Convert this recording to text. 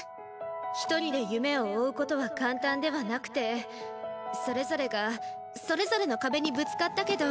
「一人で夢を追うことは簡単ではなくて」。それぞれがそれぞれの壁にぶつかったけど。